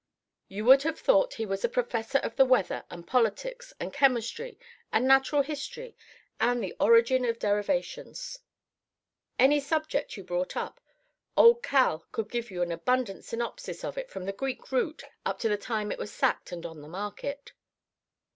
You would have thought he was a professor of the weather and politics and chemistry and natural history and the origin of derivations. Any subject you brought up old Cal could give you an abundant synopsis of it from the Greek root up to the time it was sacked and on the market.